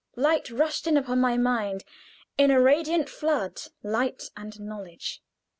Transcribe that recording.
Light rushed in upon my mind in a radiant flood light and knowledge.